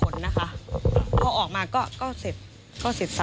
ว่าเหมือนโดนรองเสร็จ